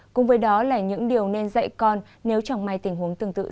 cùng với đó là những điều nên dạy con nếu chẳng may tình huống khác